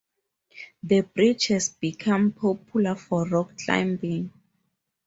The bridge has become popular for rock climbing.